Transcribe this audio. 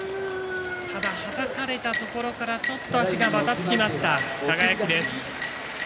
ただ、はたかれたところからちょっと足がばたつきました輝です。